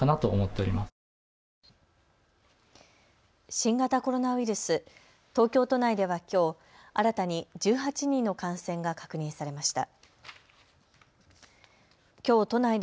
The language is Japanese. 新型コロナウイルス、東京都内ではきょう新たに１８人の感染が確認されました。